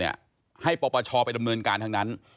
คดีที่ทางอายการห้ามแพนฒังงานสอบส่วนของตำรวช